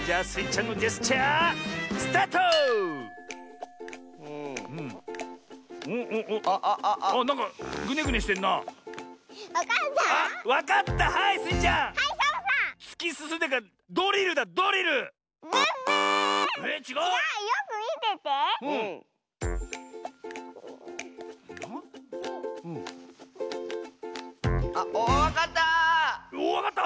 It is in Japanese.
あっわかった！